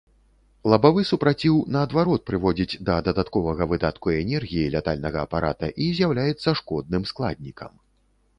Лабавы супраціў, наадварот, прыводзіць да дадатковага выдатку энергіі лятальнага апарата і з'яўляецца шкодным складнікам.